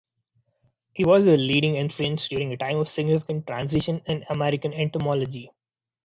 He was a leading influence during a time of significant transition in American entomology.